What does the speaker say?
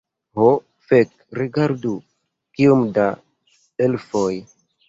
Ho, fek' rigardu kiom da elfoj